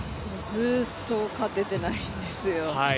ずっと勝ててないんですよ。